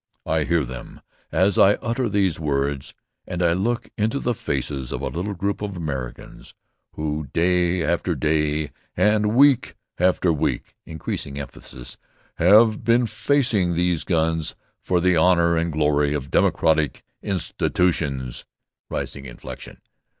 I hear them, as I utter these words, and I look into the faces of a little group of Americans who, day after day, and week after week" (increasing emphasis) "have been facing those guns for the honor and glory of democratic institutions" (rising inflection).